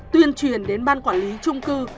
tuyên truyền đến ban quản lý chung cư